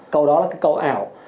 cầu đó là cái cầu ảo